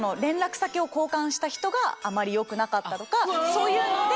そういうので。